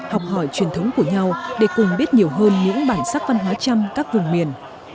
học hỏi truyền thống của nhau để cùng biết nhiều hơn những bản sắc văn hóa trăm các vùng miền